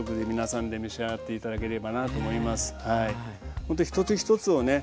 ほんと一つ一つをね